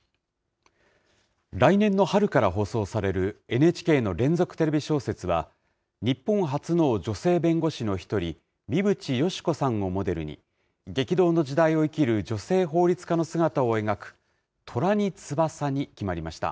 来年の春から放送されるＮＨＫの連続テレビ小説は、日本初の女性弁護士の一人、三淵嘉子さんをモデルに、激動の時代を生きる女性法律家の姿を描く、虎に翼に決まりました。